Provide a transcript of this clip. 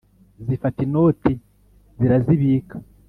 zifata inoti zirazibika